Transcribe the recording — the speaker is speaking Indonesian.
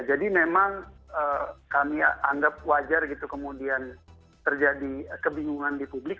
jadi memang kami anggap wajar gitu kemudian terjadi kebingungan di publik